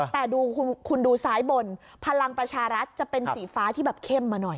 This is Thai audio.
แต่ดูคุณดูซ้ายบนพลังประชารัฐจะเป็นสีฟ้าที่แบบเข้มมาหน่อย